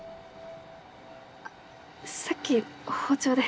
あっさっき包丁で。